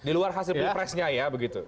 di luar hasil pilpresnya ya begitu